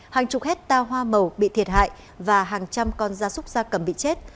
hàng chục hectare hoa màu bị thiệt hại và hàng trăm con da súc da cầm bị chết